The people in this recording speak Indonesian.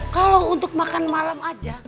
kalau untuk makan malam aja